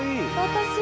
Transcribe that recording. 私！